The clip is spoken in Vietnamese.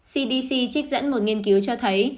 cdc trích dẫn một nghiên cứu cho thấy